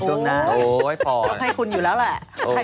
โอ้ยพอนไว้คุณอยู่แล้วแหละ